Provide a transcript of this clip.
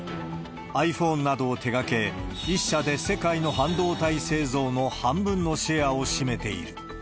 ｉＰｈｏｎｅなどを手がけ、１社で世界の半導体製造の半分のシェアを占めている。